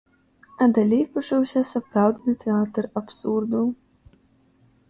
А далей пачаўся сапраўдны тэатр абсурду.